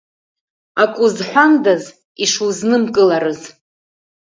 Ак узҳәандаз ишузнымкыларыз.